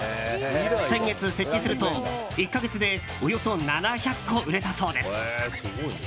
先月、設置すると１か月でおよそ７００個売れたそうです。